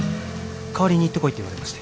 代わりに行ってこいって言われまして。